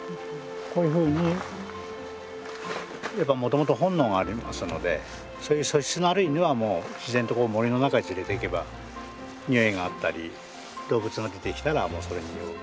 こういうふうにもともと本能がありますのでそういう素質のある犬はもう自然と森の中へつれていけば臭いがあったり動物が出てきたらもうそれ臭う。